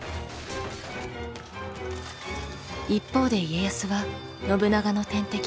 一方で家康は信長の天敵